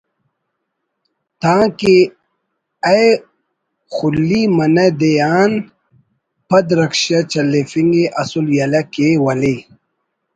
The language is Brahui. تانکہ اے خُلی منہ دے آن پد رکشہ چلیفنگ ءِ اسل یلہ کے ولے ……